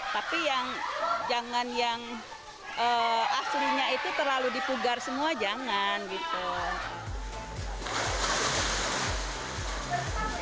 tapi yang jangan yang aslinya itu terlalu dipugar semua jangan gitu